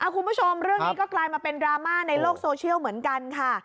คุณผู้ชมเรื่องนี้ก็กลายมาเป็นดราม่าในโลกโซเชียลเหมือนกันค่ะ